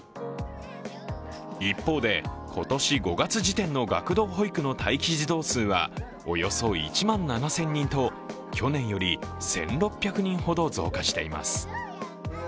一方で今年５月時点の学童保育の待機児童数はおよそ１万７０００人と去年より１６００人ほど増加しています。